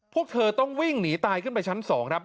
พวกเธอต้องวิ่งหนีตายขึ้นไปชั้น๒ครับ